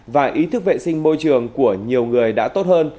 và ý thức vệ sinh môi trường của nhiều người đã tốt hơn